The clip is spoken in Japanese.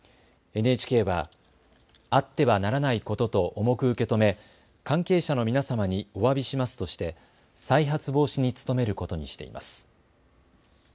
ＮＨＫはあってはならないことと重く受け止め関係者の皆様におわびしますとして再発防止に努めることにしています。